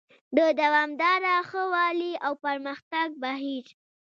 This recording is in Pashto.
د دوامداره ښه والي او پرمختګ بهیر: